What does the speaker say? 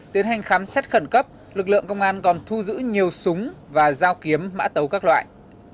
tiến hành khám xét khẩn cấp lực lượng công an còn thu giữ nhiều súng và dao kiếm mã tấu các loại